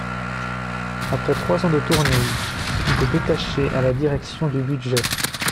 Après trois ans de tournée, il est détaché à la Direction du Budget.